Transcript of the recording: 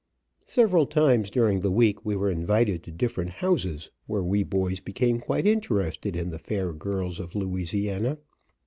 Several times during the week we were invited to different houses, where we boys became quite interested in the fair girls of Louisiana.